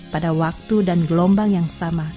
pada waktu dan gelombang yang sama